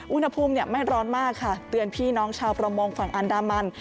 อุณหภูมิไม่ร้อนมากค่ะเตือนพี่น้องชาวประมงฝั่งอันดามัน